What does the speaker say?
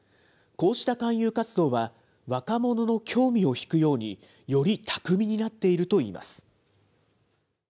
こうした勧誘活動は、若者の興味を引くように、より巧みになっているといいます。